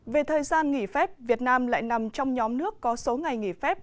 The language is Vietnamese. về thời gian nghỉ phép việt nam lại nằm trong nhóm nước có số ngày nghỉ phép